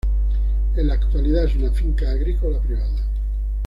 En la actualidad es una finca agrícola privada.